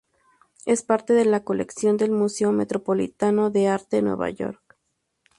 Es parte de la colección del Museo Metropolitano de Arte de Nueva York.